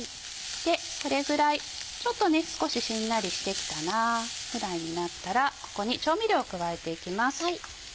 これぐらい少ししんなりしてきたなぐらいになったらここに調味料を加えていきます。